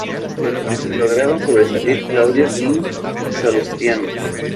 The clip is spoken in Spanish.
Lograron sobresalir Claudio y Salustiano.